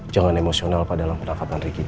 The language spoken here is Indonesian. jangan emosional pada dalam penangkatan ricky